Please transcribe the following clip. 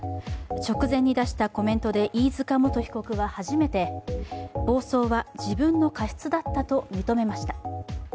直前に出したコメントで飯塚元被告は初めて、暴走は自分の過失だったと認めました。